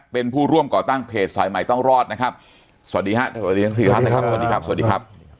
เป็นผู้ร่วมก่อตั้งเพจสายใหม่ต้องรอดนะครับสวัสดีครับสวัสดีครับ